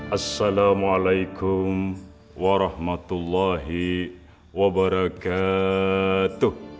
assalamualaikum warahmatullahi wabarakatuh